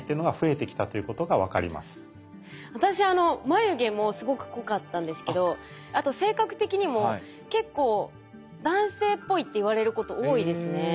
私眉毛もすごく濃かったんですけどあと性格的にも結構男性っぽいって言われること多いですね。